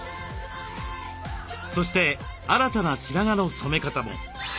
そして新たな白髪の染め方も。